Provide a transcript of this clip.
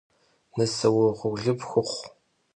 Nıse vuğurlı pxuxhu!